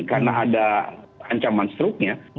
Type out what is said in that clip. karena ada ancaman struknya